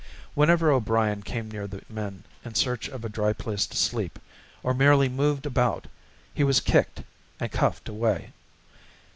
Whenever O'Brien came near the men in search of a dry place to sleep, or merely moved about, he was kicked and cuffed away.